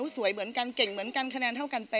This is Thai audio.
สวยเหมือนกันเก่งเหมือนกันคะแนนเท่ากัน